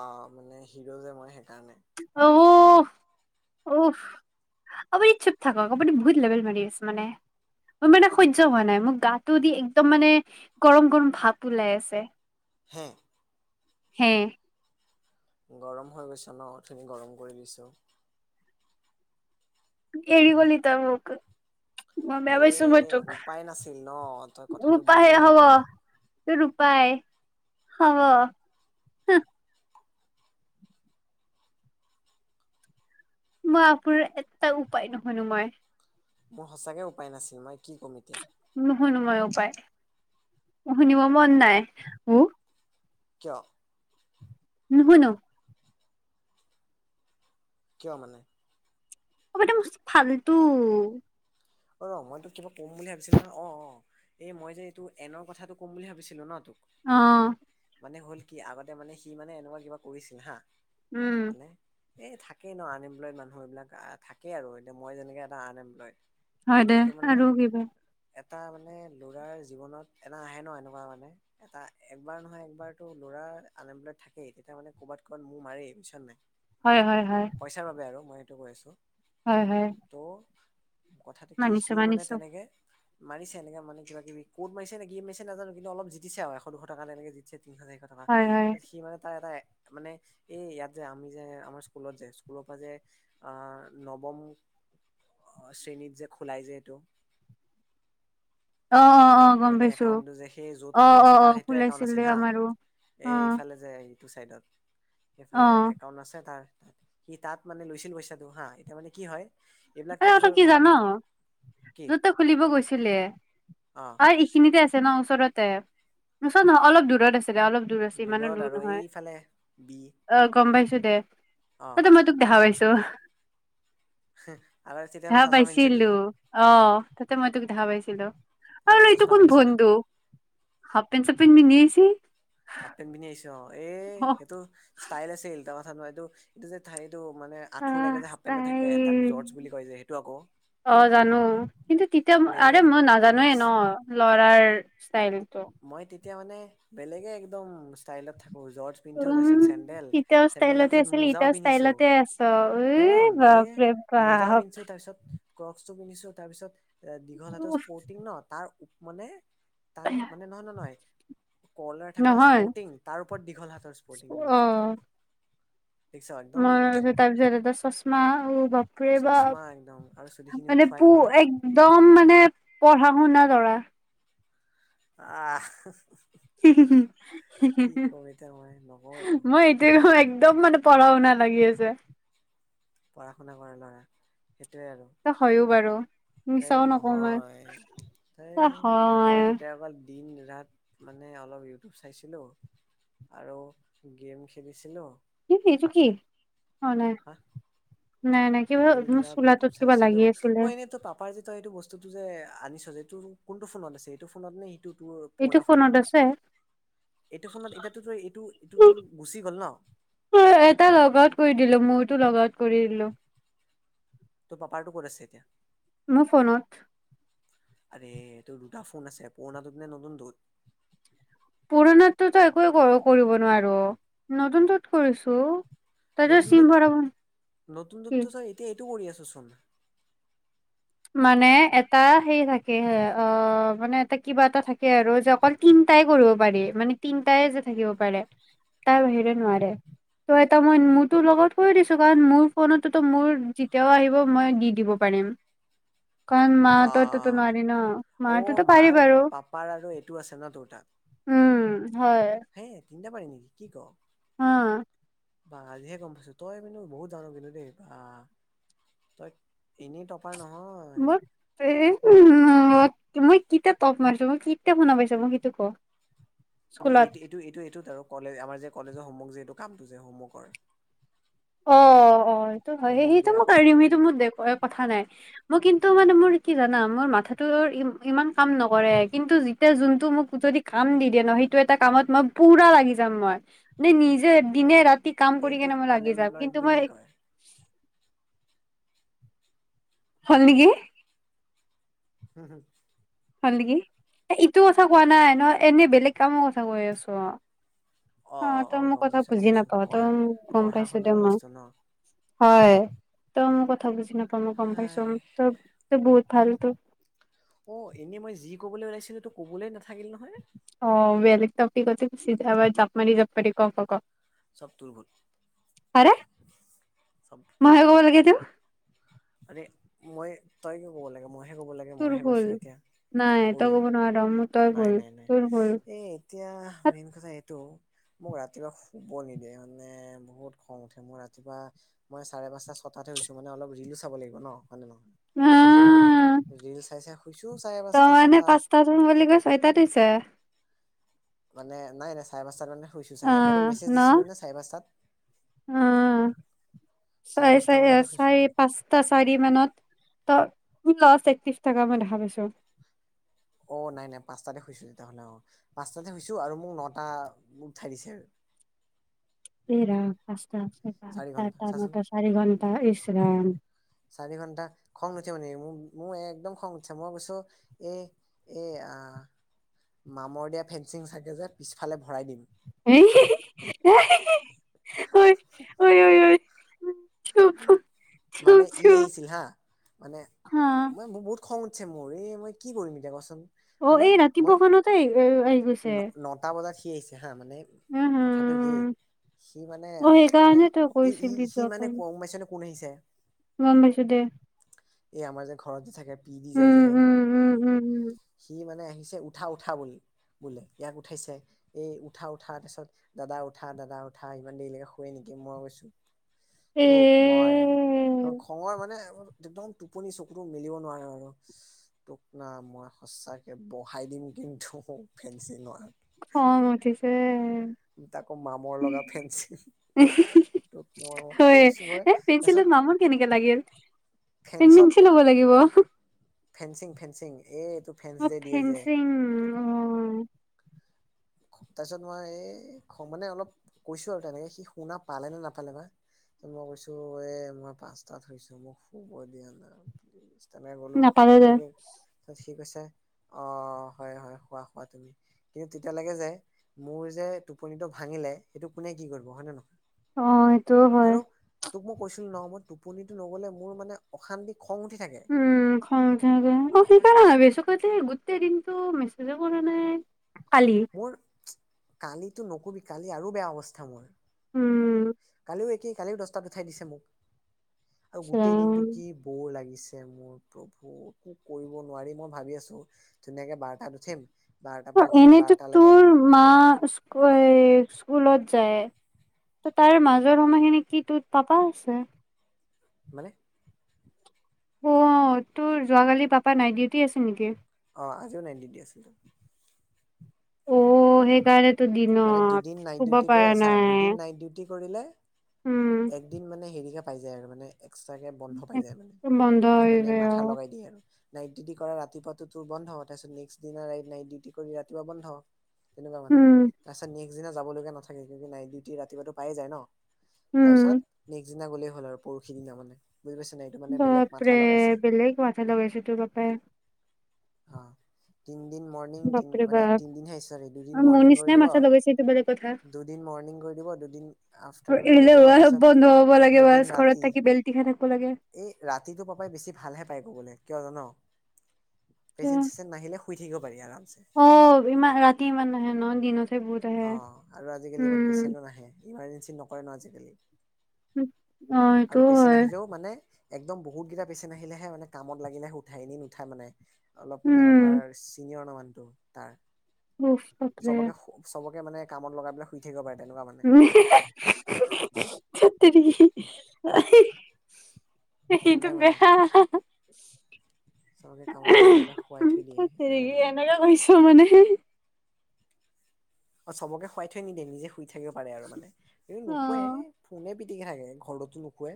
অ', মানে হিৰ' যে মই সেইকাৰণে অ-উ-ফ, অউফ আপুনি চুপ থাকক আপুনি বহুত লেবেল মাৰি আছে মানে। মোৰ, মানে, সহ্য হোৱা নাই। মোক গাটো দি একদম, মানে, গৰম-গৰম ভাপ ওলাই আছে। হে? হে। গৰম হৈ গৈছে ন, অথনি গৰম কৰি দিছোঁ। এৰি গলি তই মোক। মই, বেয়া এ পাইছো মই তোক, উপায় নাছিল ন তই কথাটো মোপা বুজি হেৰিয়ে নাই পোৱা হ'ব। তোৰ উপাই, হ'ব। মই আপোনাৰ এটা উপায় নুশুনো মই। মোৰ সচাকে উপায় নাছিল। মই কি ক'ম এতিয়া? নুশুনো মই উপায়, মো শুনিব মন নাই, উ কিয়? নুশুনো। কিয় মানে? চবতে মষ্ট ফাল্টু। অই ৰ মই তোক কিবা ক'ম বুলি ভাবিছিলো ন, অ', অ, এই মই যে এইটো এনৰ কথাটো ক'ম বুলি ভাবিছিলো ন তোক? অ', মানে হ'ল কি? আগতে মানে, সি মানে এনেকুৱা কিবা কৰিছিল হা। উম মানে এই থাকেই ন, আনএমপ্লয়ড মানুহ, এইবিলাক থাকেই। আৰু এতিয়া মই যেনেকে এটা আনএমপ্লয়ড। হয় দে, এইটো মানে আৰু কিবা? এটা মানে ল'ৰাৰ জীৱনত, এনা আহে ন এনেকুৱা মানে। এটা একবাৰ নহয় একবাৰতো ল'ৰা আনএমপ্লইড থাকেই তেতিয়া মানে ক'ৰবাত ক'বাত মোহ মাৰেই বুইছ নাই? হয়, হয়, হয়। পইচাৰ বাবে আৰু মই হেইতু কৈ আছোঁ। হয়, হয়। তৌ' কথাটো কি মানিছো সিও মানে মানিছো তেনেকে। মাৰিছে এনেকা মানে কিবা-কিবি কত মাৰিছে নে কিয়ে মাৰিছে নাজানো কিন্তু অলপ জিতিছে আৰু এশ-দুশ টকা তেনেকে জিতচে তিনিখন-চাৰিখন। আমা, হয় হয় তাত সি মানে তাৰ এটা এ মানে এই ইয়াত যে আমি যে, আমাৰ স্কুলত যায় স্কুলপা যে আহ, নৱম অ', শ্ৰেণীত যে খোলাই যে এইটো। অ অ অ গম মানে পাইছো একাউন্টটো যে সেই যত অ অ খোলাইছে অ তাৰ সেইটো একাউন্ট খোলাইছিলে আছিল হা, আমাৰো অ এইফালে যে এইটো চাইডত, অ সেইফালে একাউণ্ট আছে তাৰ। সি তাত মানে লৈছিল পইচাটো হা এতিয়া মানে কি হয়। এইবিলাক আৰু ত এটা থ কথা কি ভাব জান কি? য'তে খুলিব গৈছিলে। অ'। অ', এইখিনিতে আছে ন ওচৰতে ওচৰত নহয় অলপ দূৰত আছিলে অলপ। দূৰ আছে ইমানো দোলত দূৰ আৰু নহয়। এইফালে বি অ', গম পাইছোঁ দে, অ তাতেই মই তোক দেখা পাইছোঁ। আৰ তেতিয়া মমই দেখা চচা পাইছিলো পিন্ধিছিলোঁ তো। অ', তাতে মই তোক দেখা পাইছিলোঁ তেতিয়া আৰু মই এইটো চচমা কোন পিন্ধিছিলো বন্ধু? হাপপেন চাপেন পিন্ধি আহিছে। হাফ পেণ্ট পিন্ধি আহিছ অ', এ অ সেইটো ষ্টাইল আছিল এটা কথা নহয় এইটো, এইটো যে এইটো মানে। আঁঠু আহ লেকে যে হাফ পেণ্টটো তাই থাকে তাক জৰ্জ বুলি কয় যে সেইটো আকৌ। অ', জানো। কিন্তু তেতিয়া আৰে বেলেগ মই নাজানোৱে বেলেগ ন লৰাৰ ষ্টাইলটো। মই তেতিয়া মানে বেলেগে একদম ষ্টাইলত থাকোঁ জৰ্জ। পিন্ধো উম তাৰপিছত চেন্দেল, এতিয়াও চেন্দেল ষ্টাইলতে তাৰপিছত আছিলি মোজাও এতিয়াও পিন্ধিছো ষ্টাইলতে আছ এই শুন এই। বাপৰে মোজা বাপ পিন্ধছো তাৰপিছত। ক্ৰকচটো পিন্ধিচো তাৰপিছত দীঘল হাতৰ উফ স্পৰ্টিং ন তাৰ মানে। তাৰ মানে নহয়, নহয়, নহয়। কৰ্লাৰ থকা নহয় স্পৰ্টিং তাৰ ওপৰত দীঘল হাতৰ স্পৰ্টিং পিন্ধিছো। দেখিছ একদম মোৰ তাৰপিছত এটা চশমা বাপৰে চচমা একদম আৰু বাপ। চুলিখিনি মানে উঠোৱা পু একদম একদম মানে পঢ়া শুনা ল'ৰা। আহ। কি কম এতিয়া মই নকওঁ একো মই। একদম মানে পঢ়া শুনা লাগি আছে। পঢ়া শুনা কৰা ল'ৰা সেইটোৱে আৰু। তই হয়ো বাৰু এই মিছাও নকওঁ মই নহয় তই এই হয় মই তেতিয়া অকল। দিন ৰাত মানে অলপ ইউটিউব চাইছিলোঁ। আৰু গেম খেলিচিলোঁ। কি এইটো কি? অ', নাই, হা নাই, নাই কিবাৰ দিন চোলাটোত কিবা লাগি আছিলে। উপাৰজিত সেইটো বস্তুটো যে আনিছ য এইটো কোনটো ফোনত আছে, সেইটো ফোনত নে সেইটো। তোৰ এইটো পুৰণা ফোনত ফোনটোত। আছে এইটো ফোনত এতিয়াতো তোৰ এইটো, এইটো ই তোৰ গুচি গ'ল ন? এটা লগ আউট কৰি দিলোঁ, মোৰতো লগ আউট কৰি দিলোঁ। ত, পাপা টো ক'ত আছে এতিয়া? মোৰ ফোনত। আৰে এই তোৰ দুটা ফোন আছে পুৰণাটোত নে নতুনত? পুৰণাতটোতো একোৱে কৰ--কৰিব নোৱাৰো নতুনটোত কৰিছোঁ। নতুন দুত, নতুন কি দুতটো ছাৰ এতিয়া এইটো কৰি আছোঁ চোন। মানে এটা সে থাকে হে অ' মানে এটা কিবা এটা থাকে আৰু যে অকল তিনটাই কৰিব পাৰি মানে তিনটাই যে থাকিব পাৰে তাৰ বাহিৰে নোৱাৰে। ত' এটা মই মোৰতো লগত কৈ দিছো কাৰণ মোৰ ফোনতোতো মোৰ যেতিয়াও আহিব মই দি দিব পাৰিম। কাৰণ মাহৰ তাততো আহ নোৱাৰি ন' অ মাহঁতেতো পাৰি মাৰ বাৰু। পাপাৰ আৰু এইটো আছে ন তোৰ তাত উম হয়। তিন্তা পাৰি নেকি কি ক? অ'। বা আজিহে গম পাইছো তই মন্তু বহুত জান কিন্তু দেই বা, তই এনেই টকাৰ নহয়। মোক এ মই কেতিয়া টপ মাৰিছো মই কেতিয়া শুনা পাইছো মোক এইটো ক। নাই স্কুলত এইটো-এইটো-এইটো-এইটোত আৰু কলেজ আমাৰ যে কলেজৰ হোমৱৰ্ক যে এইটো কামটো যে হোমৱৰ্কৰ। অ', অ', সটো হয় হোমৱৰ্ক সেইটো দিয়া প্ৰজেক্ট মইম দিয়া সেইটো মোৰ দে কথা নাই। মই কিন্তু মানে মোৰ কি জানা মোৰ মাথাটো ইমান কাম নকৰে কিন্তু যেতিয়া যোনটো মোক যদি কাম দি দিয়ে ন সেইটো এটা কামত মই পুৰা লাগি যাম মই, নে-নিজে দিনে ৰাতি কাম কৰি এইটোক কেনে মই লাগি যাম আনএমপ্লয়ড কিন্তু মই বুলি কয়। হ'ল নেকি। হম হু। হ'ল নেকি এ ইটো কথা কোৱা নাই ন এনে বেলেগ কামৰ কথা কৈ আছোঁ অ'। অ' তই মোৰ গম কথা পাইছো গম বুজি পাইছো নাপাও তই পঢ়া মোক গম পঢ়া পাইছোঁ দে শুনাৰ মই। বস্তু ন হয় তই মোৰ কথা বুজি নাপামওঁ ম গম হাই পাইছো ত-ত বহুত ফালটো অ' এনে মই যি কবলৈ ওলাইছিলোঁ টো কবলৈ নাথাকিল নহয়। অ' বেলেগ তাপিকতে গুচি যাবা জাপ মানি জাপাৰি ক ক ক। চব টোৰ ভুল, আৰে চব টোৰ মইহে ভুল। ক'ব লাগে এইটো আৰে মই তই কিয় ক'ব লাগে মই হে হে ক'ব লাগে তোৰ মইহে ভুল কৈছোঁ এতিয়া, নাই ঐ তই ক'ব নোৱাৰ মোৰ তই নাই ভুল নাই নাই, তোৰ ভুল এই এতিয়া হাত মেইন কথা এইটো মোক ৰাতিপুৱা শুব নিদিয়ে মানে বহুত খং উঠে মোৰ ৰাতিপুৱা মই চাৰে পাঁচটা ছটাতাতে হৈছোঁ মানে অলপ ৰিলো চাব লাগিব ন' হয়ানে নহয়? আহ ৰীল চাই চাই শুইছোঁ চাৰে পাঁচটা ছটাত। ত' [unintelligible] ছয়তাত হুইছে। মানে নাই নাই চাৰে পাঁচটাত মানে শুইছোঁ চাগে, মইতোক মেছেজ দিছিলোঁ নে চাৰে পাঁচটাত? উ, চাৰে পাঁচটা চাৰি-চাই আ মানতে শুইছো চাৰি পাঁচ তা চাৰি মানত ত' লষ্ট একত্ৰিশ থকা মই দেখা পাইছোঁ। অ' নাই নাই পাঁচটাতে খুইছোঁ তেতিয়াহ'লে অ', পাঁচটাতে শুইছো আৰু মোক নটা উঠাই দিছে আৰু। য়ে ৰাম পাঁচটা [unintelligible] সাতটা চাৰি ঘন্টা আঠটা চাচোন নতা চাৰি ঘণ্টা, ইছ ৰাম। চাৰি ঘন্টা, খং নুঠি নেকি মোক মোৰ একদম খং উঠিছে মই কৈছো এই এ আ, মামৰ দিয়া ফেঞ্চিং চাগে যে পিছফালে ভৰাই দিম। চুপ চুপ চুপ মানে ই চুপ আহিছিল হা মানে হা মই ম বহুত খং উঠছে মোৰ এই মই কি কৰিম এতিয়া কচোন। অ' মানে এই ৰাতিপুৱা খনতে আহ-আহি গৈছে। আটাজাত সি আহিছে হা মানে উম কথাটো সেই, হম সি মানে, অ মানে সেইকাৰণে তই এ ই কৈছিলি সি মানে যোৱাকালি সোমাইছে নে কোন আহিছে? গম পাইছোঁ দে। এই আমাৰ যে ঘৰত যে থাকে পি দি যায় উম যে, উম উম উম উম সি মানে আহিছে উঠা উঠা বুলি বোলে ইয়াক উঠাইছে। এই উঠা উঠা তাছত দাদা উঠা দাদা উঠা ইমান দেৰিলৈকে শুৱে নেকি মই কৈছোঁ এ তোক মই খঙৰ মানে একদম টোপনি চকুত মেলিব নোৱাৰে আৰু। তোকনা মই সচাকে বহাই দিম কিন্তু ফেঞ্চি নহয়। খং উঠিছে? তাকো মামৰ লগা ফেঞ্চিল। তোক মই হয় কৰিছো মই এ, তাৰপিছত ফেঞ্চিলত মামৰ কেনেকে লাগিল, পেঞ্চিল হ'ব লাগিব। ফেচিং ফেচিং, এই তোৰ অ' ফেনচিং। তাৰপিছত মই এই মানে অলপ কৈছোঁ আৰু তেনেকে সি শুনা পালে নে নাপালে বা। ত' মই কৈছোঁ এ, মই পাঁচটাত শুইছোঁ, মোক শুব দিয়া না। তেনেকে কলোঁ। নাপালো সেই দে তাৰপিছত সি কৈছে অ' হয় হয় শুৱা শুৱা তুমি কিন্তু এতিয়ালৈকে যে মোৰ যে টোপনিটো ভাঙিলে সেইটো কোনে কি কৰিব হয় নে নহয়? অ' সেইটোও হয়। আৰু তোক মই কৈছিলো ন' মই টোপনিতো নগ'লে মোৰ মানে অশান্তি খং উঠি থাকে। উম, খং উঠে থাকে। অ' সেইকাৰণে ভাবিছোঁ গোটেই দিনটো মেছেজ কৰা নাই। কালি। মোৰ কালিটো নকবি, কালি আৰু বেয়া অৱস্থা মোৰ। উম। সেই একেই কালি দচটাত উঠাই দিছে মোক, আৰু গোটেই দিনটো ৰাম। কি ব'ৰ লাগিছে মোৰ প্ৰভু, একো কৰিব নোৱাৰি মই ভাবি আছোঁ ধুনীয়াকে বাৰটাত উঠিম, অ, বাৰটাৰপৰা উঠি এনেতো বাৰটালৈকে তোৰ মা স্কুলত যায়। ত' তাৰ মাজৰ সময়খিনি কি তোৰ পাপা আছে? মানে? অ' তোৰ যোৱাকালি পাপা নাইট ডিউটি আছিল নেকি? অ' আজিও নাইট দিউটি আছিলে। অ' সেইকাৰণে মানে দুদিন নাইট ডিউটি কৰে, চা নাই দুদিন নাইট ডিউটি কৰিলে উম একদিন মানে হেৰিকে পাই যায় আৰু মানে। এক্সট্ৰাকে বন্ধ পাই যায় মানে। বন্ধ এইটো হৈ মানে যায় অ মাথা লগাই দিয়ে আৰু। নাইট ডিউটি কৰা ৰাতিপুৱাটো তোৰ বন্ধ, তাৰপিছত নেক্স দিনা নাইট ডিউটি ৰাতিপুৱা বন্ধ। তেনেকুৱা মানে। উম ছত নেক্সট দিনা যাবলগা নাথাকে, কি নাইট দিউটি ৰাতিপুৱাটো পায়ে যায় ন' উম তাৰপিছত নে দিনা গলেই হ'ল আৰু পৰহি দিনা মানে, বুজি পাইছ নাই? এইটো মানে বেলেগ মাথা বাপৰে লগাইছে বেলেগ মাথা লগাইছে তোৰ পাপাই। অ' তিনিদিন মৰ্ণিং বাপৰে মানে বাপ তিনিদিনহে চৰি অ দুদিন মোৰ মৰ্ণিং কৰি নিচিনাই দিব মাথাত লগাইছে এইটো বেলেগ কথা দুদিন মৰ্ণিং কৰি দিব, দুদিন আফটাৰনুন এৰিলে কৰি দিব, হোৱা তাৰপিছত দুদিন ৰাতি। তেখেতকো লাগে। এই ৰাতিটো পাপাই বেছি ভালহে পায় কৰিবলে কিয় জান? পেচেণ্ট চেচেণ্ট নাহিলে শুই থাকিব পাৰি আৰামছে। অ' ইমান ৰাতি ইমান নাহে ন' দিনত? অ' আৰু আজিকালি ইমান পেচেণ্টো নাহে, ইমাৰজেঞ্চিত নকৰে ন' আজিকালি। অ আৰু সেইটোও পেচেন হয় আহিলেও মানে একদম বহুতকেইটা পেচেন আহিলেহে মানে কামত লাগিলে উঠাই, এনে নুঠাই মানে। অলপ মানে পাপাৰ উম চিনিয়ৰ ন' মানুহটোত তাৰ। উফ, বাপৰে। চবকে চবকে মানে কামত লগাই পেলাই শুই থাকিব পাৰে তেনেকুৱা মানে। [unintelligible] হেইটো তেনেকুৱাই মানে বেয়া। চবকে কামত লগাই পেলাই শুৱাই থৈ দিয়ে, সেইটোৱে আৰু। এনেকে কৈছোঁ মানে অ', চবকে শুৱাই থৈ নিদিয়ে, নিজে শুই থাকিব পাৰে আৰু মানে, এইটো অ নুশুৱে ফোনে পিটিকে থাকে, ঘৰতো নুশুৱে।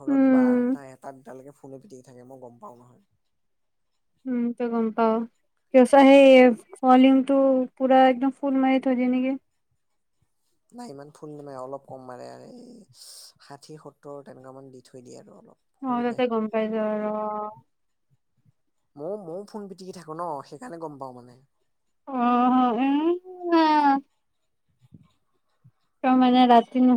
ঘৰত উম বাৰটা-এটা দুটালৈকে ফো ফোনে পিটিকি থাকে, মই গম পাওঁ নহয়। উম, তই গম পাৱ [unintelligible] সেই ফয়লিঙটো পুৰা একদম ফুল মাৰি থৈ দিয়ে নেকি? নাই, ইমান ফুল নেমাৰে, অলপ কম মাৰে আৰু এই ষাঠি-সত্তৰ তেনেকুৱামান দি থৈ দিয়ে আৰু অলপ অ', শুনি তাতে পায় গম পাই যোৱা আৰু, অ'। ময়ো, ময়ো ফোন পিটিকি থাকোঁ ন, সেইকাৰণে গম পাওঁ মানে অ', উম। [inaudible] তই মানে, ৰাতি নু